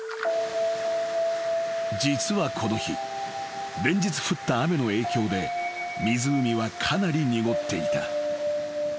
［実はこの日連日降った雨の影響で湖はかなり濁っていた］